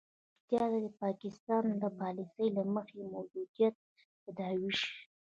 اړتیا ده چې د پاکستان د پالیسي له مخې موجودیت تداوي شي.